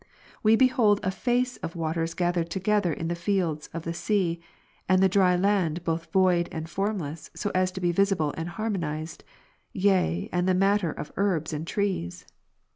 We behold a face of waters gathered together in the fields of the sea ; and the dry land both void, and formed so as to be visible and harmonized, yea and the matter of herbs and trees.